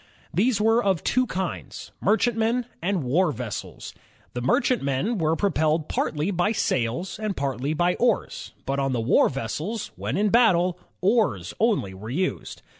These were of two kinds, merchantmen and war vessels. The merchantmen were propeUed partly by sails and partly by oars, but on the war vessels, when in battle, oars only were used.